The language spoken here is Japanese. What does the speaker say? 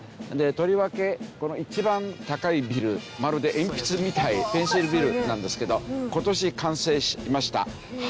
とりわけ一番高いビルまるで鉛筆みたいペンシルビルなんですけど今年完成しました。